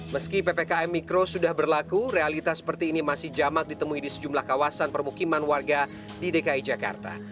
meski ppkm mikro sudah berlaku realitas seperti ini masih jamak ditemui di sejumlah kawasan permukiman warga di dki jakarta